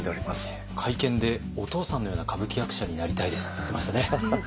会見で「お父さんのような歌舞伎役者になりたいです」って言ってましたね。